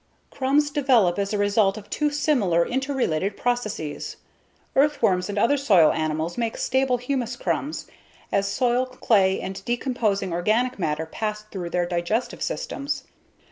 Crumbs develop as a result of two similar, interrelated processes. Earthworms and other soil animals make stable humus crumbs as soil, clay and decomposing organic matter pass through their digestive systems.